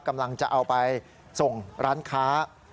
กำลังจะเอาไปส่งร้านค้า